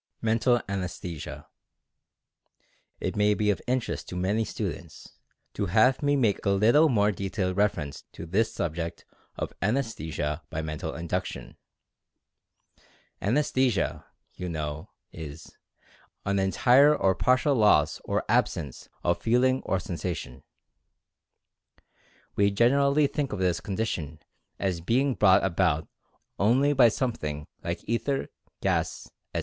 MENTAL ANESTHESIA. It may be of interest to many students, to have me make a little more detailed reference to this subject 120 Mental Fascination of Anaesthesia by Mental Induction. Anaesthesia, you know is "an entire or partial loss or absence of feeling or sensation." We generally think of this condition as being brought about only by something like ether, gas, etc.